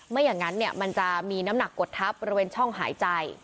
ไม่อย่างนั้นมันจะมีน้ำหนักกดทับบริเวณช่องหายใจ